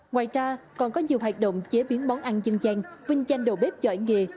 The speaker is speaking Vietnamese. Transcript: ngoài ra còn có nhiều hoạt động chế biến món ăn dân gian vinh danh đầu bếp giỏi nghề